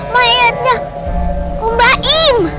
mayatnya om baim